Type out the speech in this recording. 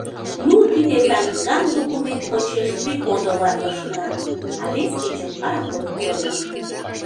Ну, тиде талиҥгам документ почеш приходоватлышна, а вес кечын пароход тольо.